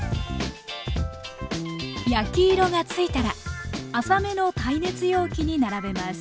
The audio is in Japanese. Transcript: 焼き色がついたら浅めの耐熱容器に並べます。